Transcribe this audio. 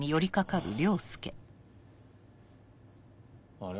あれ？